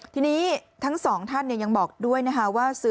ทีนี้ทั้งสองท่านยังบอกด้วยนะคะว่า